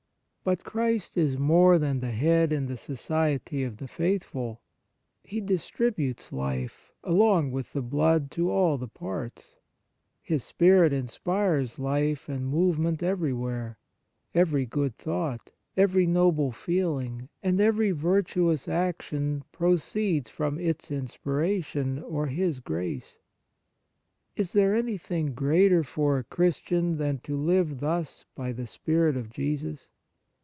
But Christ is more than the head in the society of the faithful. He distributes life, along with the blood, to all the parts. His Spirit inspires life and movement everywhere. Every good thought, every noble feeling, and every virtuous action, proceeds from its inspiration or His grace. Is there anything greater for 45 On Piety a Christian than to live thus by the Spirit of Jesus